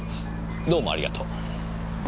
どうもありがとう。